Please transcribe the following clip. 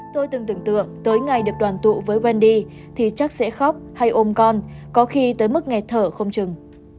tôi từng tưởng tượng tới ngày được đoàn tụ với bendy thì chắc sẽ khóc hay ôm con có khi tới mức nghẹt thở không chừng